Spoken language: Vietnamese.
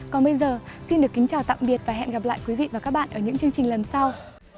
còn bây giờ xin được kính chào tạm biệt và hẹn gặp lại quý vị và các bạn ở những chương trình lần sau